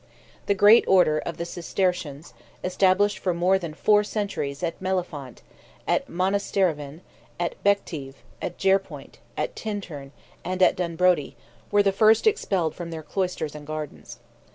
The great order of the Cistercians, established for more than four centuries at Mellifont, at Monastereven, at Bective, at Jerpoint, at Tintern, and at Dunbrody, were the first expelled from their cloisters and gardens.